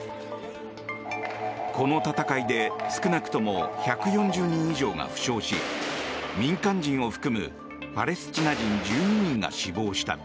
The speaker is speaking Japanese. この戦いで少なくとも１４０人以上が負傷し民間人を含むパレスチナ人１２人が死亡した。